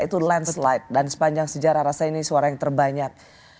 itu lands light dan sepanjang sejarah rasa ini suara yang terbanyak